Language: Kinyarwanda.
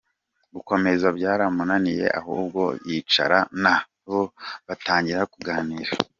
Gukomeza byaramunaniye ahubwo yicarana na bo batangira kuganira.